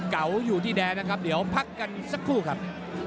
เก่าอยู่ที่แดนนะครับเดี๋ยวพักกันสักครู่ครับ